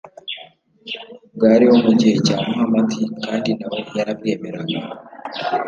bwariho mu gihe cya muhamadi kandi na we yarabwemeraga